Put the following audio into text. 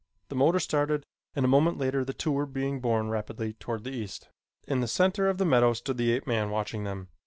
The motor started and a moment later the two were being borne rapidly toward the east. In the center of the meadow stood the ape man watching them.